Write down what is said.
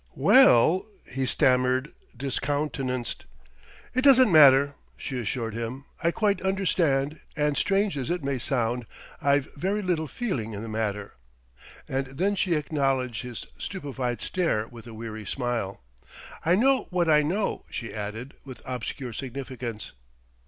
"Wel l " he stammered, discountenanced. "It doesn't matter," she assured him. "I quite understand, and strange as it may sound, I've very little feeling in the matter." And then she acknowledged his stupefied stare with a weary smile. "I know what I know," she added, with obscure significance....